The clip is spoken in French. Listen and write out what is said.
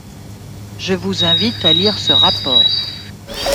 Je vous invite à lire ce rapport.